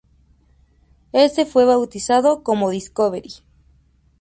Éste fue bautizado como "Discovery".